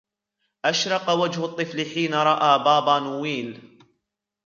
أشرق وجه الطفل حين رأى بابا نويل.